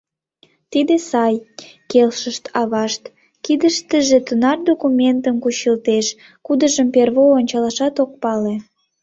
— Тиде сай, — келшышт авашт, кидыштыже тунар документым кучылтеш, кудыжым первой ончалашат ок пале.